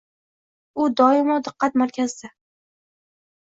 U doimo diqqat markazida.